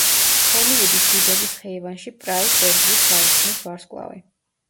ჰოლივუდის დიდების ხეივანში პრაისს ორგზის გაუხსნეს ვარსკვლავი.